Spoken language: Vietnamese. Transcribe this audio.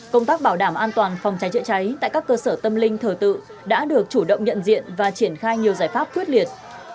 công tác bảo đảm an toàn phòng cháy chữa cháy tại các cơ sở tâm linh thờ tự đã được chủ động nhận diện và triển khai nhiều giải pháp quyết liệt